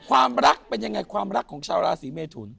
ความรักเป็นยังไงความรักของชาวราศีเมทุน